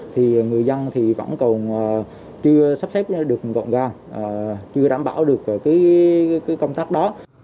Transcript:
thì người dân vẫn còn chưa sắp xếp được gọn gàng chưa đảm bảo được công tác đó